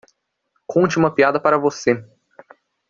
Conte uma piada para você